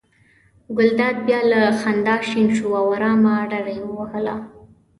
ګلداد بیا له خندا شین شو او آرامه ډډه یې ووهله.